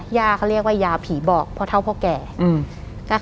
หย่าเค้าเรียกว่าหย่าผีบอกเพราะเท่าครอบครัวและพ่อแก่